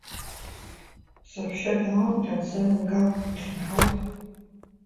Саҳәшьа даалҟьан, сан лкалҭ днахьынҳалт.